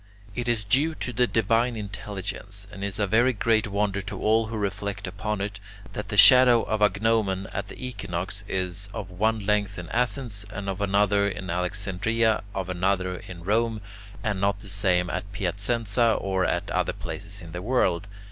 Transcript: It is due to the divine intelligence and is a very great wonder to all who reflect upon it, that the shadow of a gnomon at the equinox is of one length in Athens, of another in Alexandria, of another in Rome, and not the same at Piacenza, or at other places in the world.